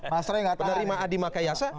penerima adi makayasa